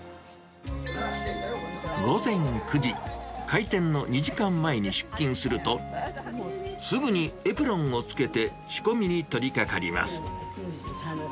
午前９時、開店の２時間前に出勤すると、すぐにエプロンをつけて仕込みに取りかかります。